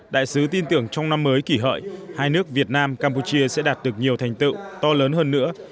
đại sứ tin tưởng trong năm mới kỷ hợi hai nước việt nam campuchia sẽ đạt được nhiều thành tựu to lớn hơn nữa